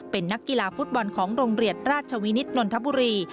เป็นนักกีฬาฟุตบอลของโรงเรียนราชวินิตนนทบุรี